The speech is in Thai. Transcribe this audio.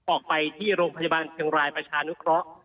ออกไปที่โรงพยาบาลเชียงรายประชานุเคราะห์